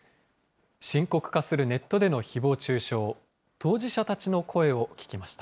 深刻化するネットでのひぼう中傷。